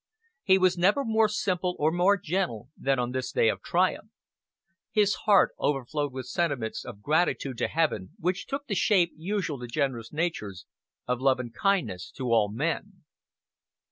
He was never more simple or more gentle than on this day of triumph. His heart overflowed with sentiments of gratitude to Heaven, which took the shape, usual to generous natures, of love and kindness to all men.